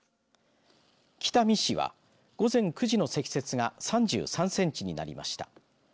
北見市は午前９時の積雪が３３センチになりました。